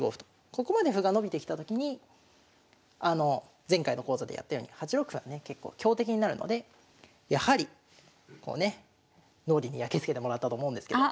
ここまで歩が伸びてきたときに前回の講座でやったように８六歩はね結構強敵になるのでやはりこうね脳裏にやきつけてもらったと思うんですけど。